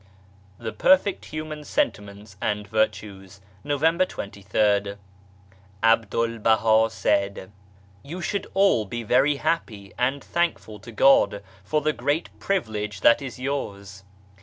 THE PERFECT HUMAN SENTIMENTS AND VIRTUES November 23rd. A BDUL BAHA said :"' You should all be very happy and thankful to God for the great privilege that is yours.